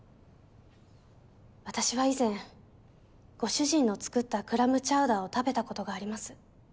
私は以前ご主人の作ったクラムチャウダーを食べたことがあります。